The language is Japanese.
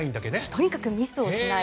とにかくミスをしない。